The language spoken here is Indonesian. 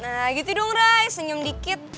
nah gitu dong ray senyum dikit